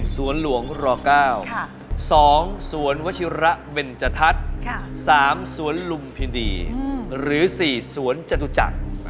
สวนหลวงร๙๒สวนวชิระเบนจทัศน์๓สวนลุมพินีหรือ๔สวนจตุจักร